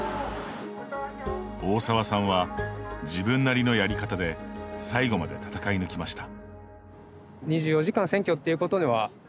大澤さんは自分なりのやり方で最後まで戦い抜きました。